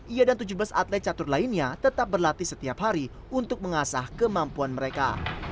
ia dan tujuh belas atlet catur lainnya tetap berlatih setiap hari untuk mengasah kemampuan mereka